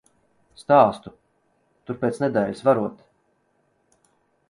Stāstu, tur pēc nedēļas varot.